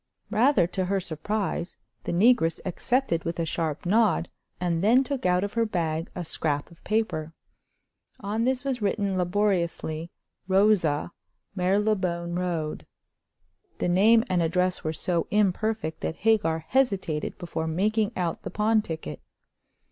Rather to her surprise, the negress accepted with a sharp nod, and then took out of her bag a scrap of paper. On this was written laboriously: "Rosa, Marylebone Road." The name and address were so imperfect that Hagar hesitated before making out the pawn ticket.